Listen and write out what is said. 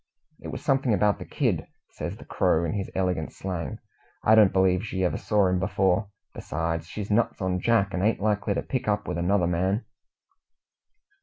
"It was something about the kid," says the Crow, in his elegant slang. "I don't believe she ever saw him before. Besides, she's nuts on Jack, and ain't likely to pick up with another man."